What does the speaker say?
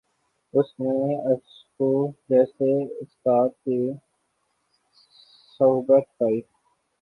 اس نے ارسطو جیسے استاد کی صحبت پائی